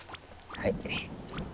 はい。